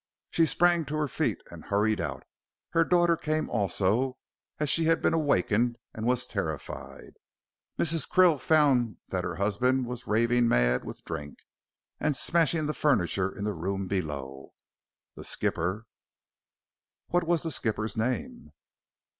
She sprang to her feet and hurried out, her daughter came also, as she had been awakened and was terrified. Mrs. Krill found that her husband was raving mad with drink and smashing the furniture in the room below. The skipper " "What was the skipper's name?"